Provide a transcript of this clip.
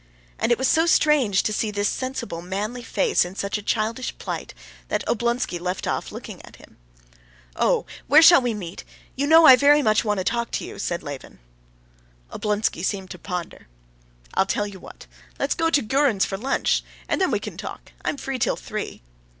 And it was so strange to see this sensible, manly face in such a childish plight, that Oblonsky left off looking at him. "Oh, where shall we meet? You know I want very much to talk to you," said Levin. Oblonsky seemed to ponder. "I'll tell you what: let's go to Gurin's to lunch, and there we can talk. I am free till three."